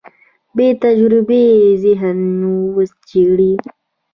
بېتجربې ذهن وچېږي.